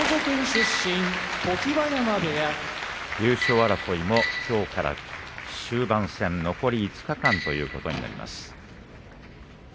常盤山部屋優勝争いもきょうから終盤戦残り５日間ということになります。